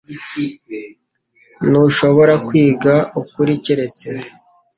Ntushobora kwiga ukuri keretse